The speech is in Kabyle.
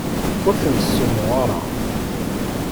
Ur tent-ssemɣareɣ.